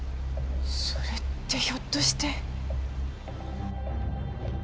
それってひょっとして。